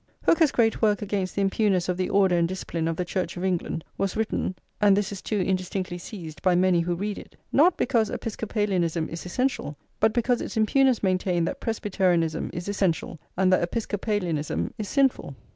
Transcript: Hooker's great work against the impugners of the order and discipline of the Church of England was written (and this is too indistinctly seized by many who read it), not because Episcopalianism is essential, but because its impugners maintained that Presbyterianism is essential, and that Episcopalianism is sinful.